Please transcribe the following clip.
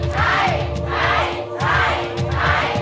ใช้